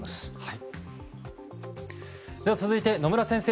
続いて野村先生